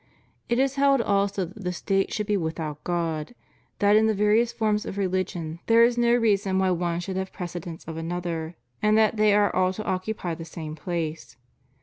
It is held also that the State should be without God; that in the various forms of religion there is no reason why one should have precedence of another; and that they are all to occupy the same place.